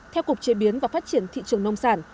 theo cục chế biến và phát triển thị trường nông sản